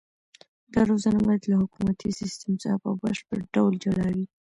دا روزنه باید له حکومتي سیستم څخه په بشپړ ډول جلا وي.